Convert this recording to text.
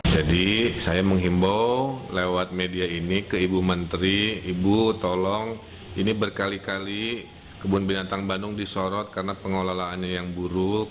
jadi saya menghimbau lewat media ini ke ibu menteri ibu tolong ini berkali kali kebun binatang bandung disorot karena pengelolaannya yang buruk